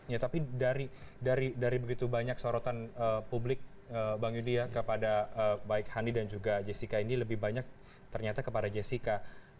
ya tapi dari begitu banyak sorotan publik bang yudi ya kepada baik hani dan juga jessica ini lebih banyak ternyata kepada jessica